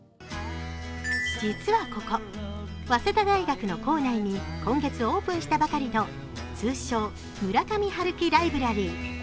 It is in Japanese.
実はここ、早稲田大学の構内に今月オープンしたばかりの通称、村上春樹ライブラリー。